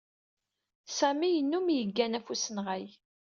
Sami yennum yeggan ɣef usenɣay.